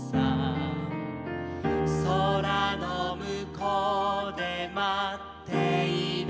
「そらのむこうでまっている」